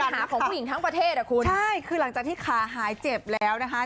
หาของผู้หญิงทั้งประเทศอ่ะคุณใช่คือหลังจากที่ขาหายเจ็บแล้วนะคะ